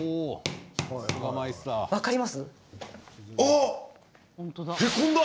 分かります？